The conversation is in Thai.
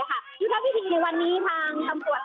ค่ะที่เฉพาะพิธีในวันนี้ทางคำตรวจก็มีการออกมาแขลง